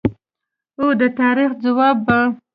او د تاریخ ځواب به